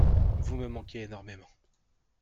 Vous me manquez énormément.